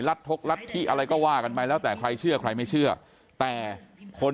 ทกรัฐธิอะไรก็ว่ากันไปแล้วแต่ใครเชื่อใครไม่เชื่อแต่คน